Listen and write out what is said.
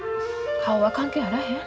顔は関係あらへん。